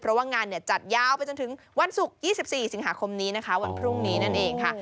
เพราะว่างานจัดยาวไปจนถึงวันศุกร์๒๔สิงหาคมนี้นะคะวันพรุ่งนี้นั่นเองค่ะ